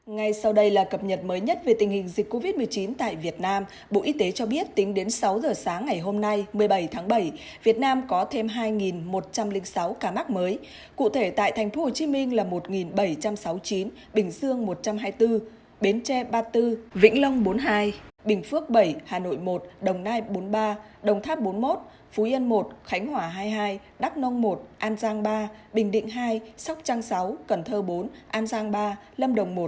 ngay sau đây là cập nhật mới nhất về tình hình dịch covid một mươi chín tại việt nam bộ y tế cho biết tính đến sáu giờ sáng ngày hôm nay một mươi bảy tháng bảy việt nam có thêm hai một trăm linh sáu ca mắc mới cụ thể tại tp hcm là một bảy trăm sáu mươi chín bình dương một trăm hai mươi bốn bến tre ba mươi bốn vĩnh long bốn mươi hai bình phước bảy hà nội một đồng nai bốn mươi ba đồng tháp bốn mươi một phú yên một khánh hỏa hai mươi hai đắk nông một an giang ba bình định hai sóc trang sáu cần thơ bốn an giang ba lâm đồng một